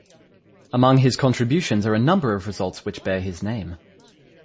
Among his contributions are a number of results which bear his name.